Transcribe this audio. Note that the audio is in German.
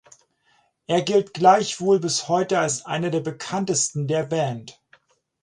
Er gilt gleichwohl bis heute als einer der bekanntesten der Band.